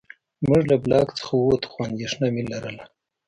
موږ له بلاک څخه ووتو خو اندېښنه مې لرله